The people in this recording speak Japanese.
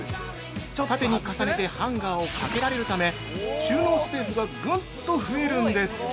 縦に重ねてハンガーを掛けられるため収納スペースがぐんと増えるんです。